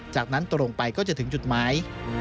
จากนั้นตรงไปก็จะถึงจุดหมาย